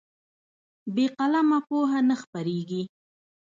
بې قلمه پوهه نه خپرېږي.